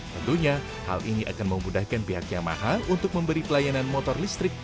tentunya hal ini akan memudahkan pihak yamaha untuk memberi pelayanan motor listrik